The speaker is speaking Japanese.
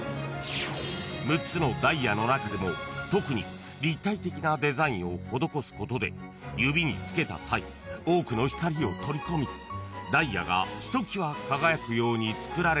［６つのダイヤの中でも特に立体的なデザインを施すことで指につけた際多くの光を取り込みダイヤがひときわ輝くように作られたものだといいます］